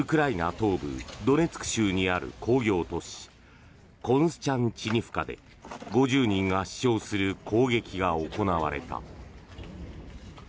東部ドネツク州にある工業都市コンスチャンチニフカで５０人が死傷する攻撃が行われた。